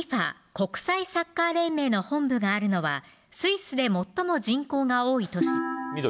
・国際サッカー連盟の本部があるのはスイスで最も人口が多い都市緑